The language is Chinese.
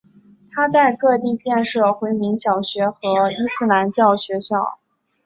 他在各地建设回民小学和伊斯兰教学校。